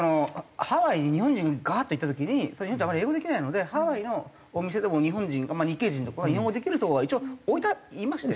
ハワイに日本人がガーッと行った時に日本人あまり英語できないのでハワイのお店でも日本人日系人とか日本語できる人を一応置いていましたよね。